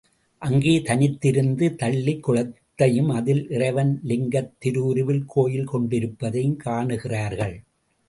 அங்கே தனித்து இருந்த தளிக் குளத்தையும் அதில் இறைவன் லிங்கத் திருவுருவில் கோயில் கொண்டிருப்பதையும் காணுகிறார்கள்.